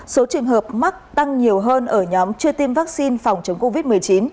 số trường hợp mắc tăng nhiều hơn ở nhóm chưa tiêm vaccine phòng chống covid một mươi chín